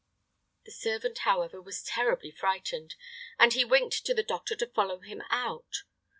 The servant, however, was terribly frightened; and he winked to the doctor to follow him out.